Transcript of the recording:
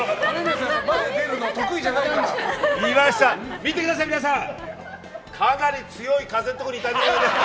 見てください、皆さんかなり強い風のとこにいたようで。